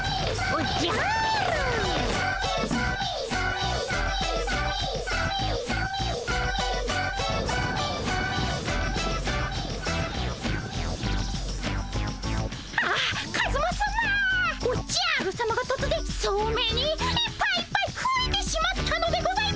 おっじゃるさまがとつぜんソーメニーいっぱいいっぱいふえてしまったのでございます！